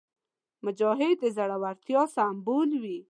مجاهد د زړورتیا سمبول وي.